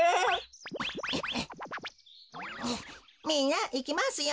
みんないきますよ。